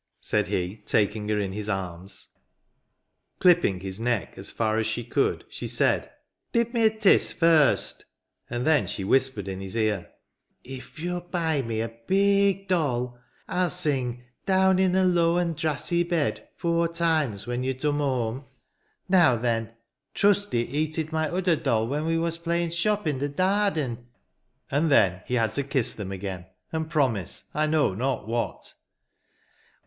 said he, taking her in his arms. Clipping his neck, as far as she could, she said, " Div me a tis, first." And then she whispered in his ear, " If — you'll — buy — me — a big doll, I'll sing ' Down in a low and drassy bed,' four times, when you turn home, — now then. " Trusty" eated my odder doll, when we was playing' shop in de dardin." And then he had to kiss them again, and promise — I know not what.